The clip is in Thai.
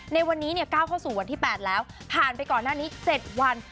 ในวันนี้ก้าวเข้าสู่วันที่๘แล้วผ่านไปก่อนหน้านี้๗วัน